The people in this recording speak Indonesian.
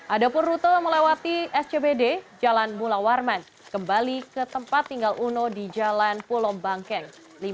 ada pun rute melewati scbd jalan mula warman kembali ke tempat tinggal uno di jalan pulau bangkeng